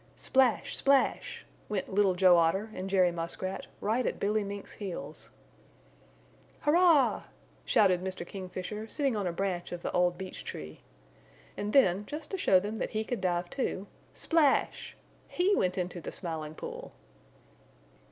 Splash! Splash! Went Little Joe Otter and Jerry Muskrat, right at Billy Mink's heels. "Hurrah!" shouted Mr. Kingfisher, sitting on a branch of the old beech tree. And then just to show them that he could dive, too, splash! He went into the Smiling Pool.